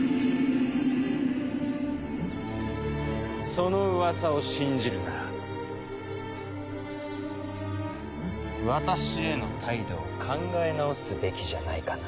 その噂を信じるなら私への態度を考え直すべきじゃないかな？